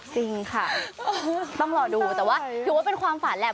จริงค่ะต้องรอดูแต่ว่าถือว่าเป็นความฝันแหละ